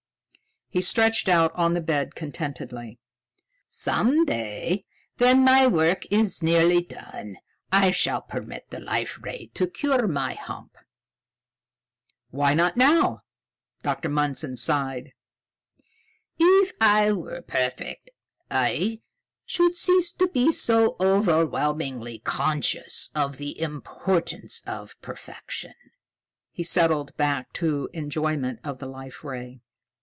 He stretched out on the bed contentedly. "Some day, when my work is nearly done, I shall permit the Life Ray to cure my hump." "Why not now?" Dr. Mundson sighed. "If I were perfect, I should cease to be so overwhelmingly conscious of the importance of perfection." He settled back to enjoyment of the Life Ray.